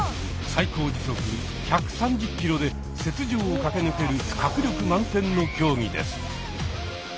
最高時速１３０キロで雪上を駆け抜ける迫力満点の競技です。